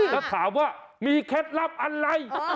แล้วถามว่ามีแค่ลักษณ์อะไร